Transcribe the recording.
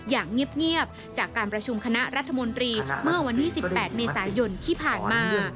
อย่างเงียบจากการประชุมคณะรัฐมนตรีเมื่อวันที่๑๘เมษายนที่ผ่านมา